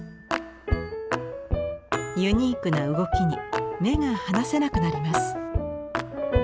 ユニークな動きに目が離せなくなります。